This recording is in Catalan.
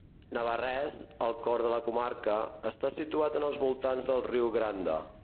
Navarrés, al cor de la comarca, està situat en els voltants del riu Grande.